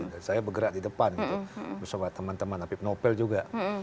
dan saya bergerak di depan gitu bersama teman teman tapi penopel juga